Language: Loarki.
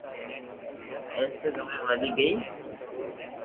اٽيڪ مئن مري گئي